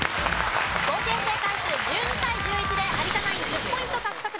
合計正解数１２対１１で有田ナイン１０ポイント獲得です。